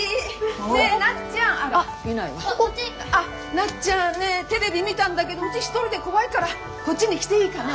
なっちゃんねえテレビ見たんだけどうち一人で怖いからこっちに来ていいかな？